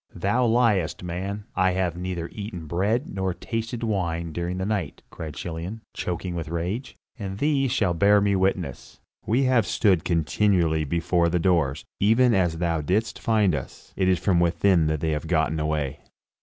"Thou liest, man; I have neither eaten bread nor tasted wine during the night," cried Chilion, choking with rage, "and these shall bear me witness. We have stood continually before the doors, even as thou didst find us; it is from within that they have gotten away."